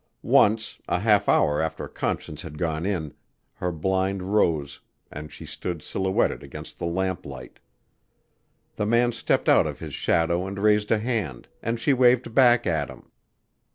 Once, a half hour after Conscience had gone in, her blind rose and she stood silhouetted against the lamp light. The man stepped out of his shadow and raised a hand, and she waved back at him.